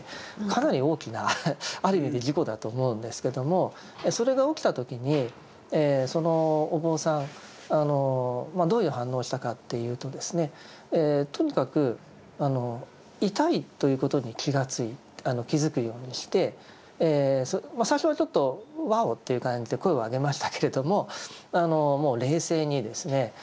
かなり大きなある意味で事故だと思うんですけどもそれが起きた時にそのお坊さんどういう反応をしたかというとですねとにかく痛いということに気づくようにして最初はちょっと「わお」っていう感じで声を上げましたけれどももう冷静にですね